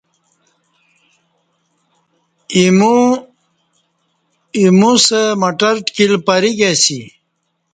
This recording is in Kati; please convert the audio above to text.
اِیمُوسہ مٹر ٹکِل پریک اسی